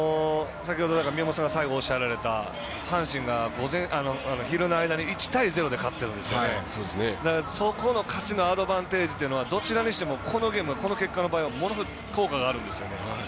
先ほど、宮本さんがさっき、おっしゃられた阪神が昼の間に１対０で勝ってるんですけどだから、そこの勝ちのアドバンテージというのはどちらにしてもこのゲームの結果にものすごい効果があるんですよね。